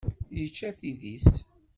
Yečča tidi-s.